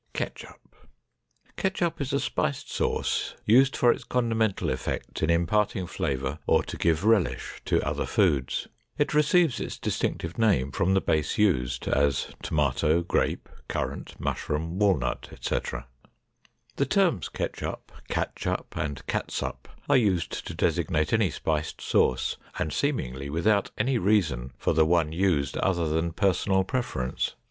KETCHUP Ketchup is a spiced sauce used for its condimental effect in imparting flavor, or to give relish to other foods. It receives its distinctive name from the base used, as, tomato, grape, currant, mushroom, walnut, etc. The terms ketchup, catchup, and catsup are used to designate any spiced sauce and seemingly without any reason for the one used other than personal preference.